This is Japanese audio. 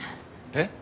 えっ？